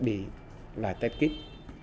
đi lại test kích